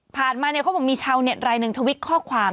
ผ่านมาเขาก็มีชาวเน็ตไลน์หนึ่งทวิจข้อความ